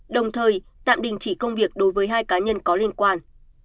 đồng thời tạm đình chỉ công việc đối với hai cá nhân có liên quan